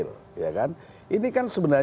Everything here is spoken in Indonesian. ini kan sebenarnya soal bagaimana kita memahami